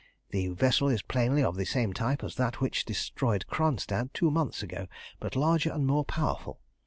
The vessel is plainly of the same type as that which destroyed Kronstadt two months ago, but larger and more powerful.